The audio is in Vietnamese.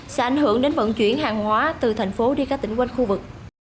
sẽ ảnh hưởng đến vận chuyển hàng hóa từ thành phố đi các tỉnh quanh khu vực